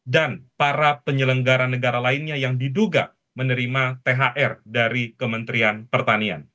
dan para penyelenggaran negara lainnya yang diduga menerima thr dari kementerian pertanian